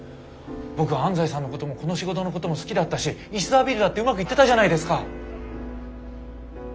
僕は安西さんのこともこの仕事のことも好きだったし石沢ビールだってうまくいってたじゃないですか。